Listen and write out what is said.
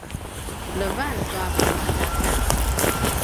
levan tua pinualjakan